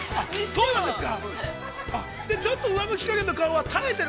◆そうなんですね。